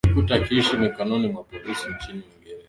alijikuta akiishia mikononi mwa polisi nchini uingereza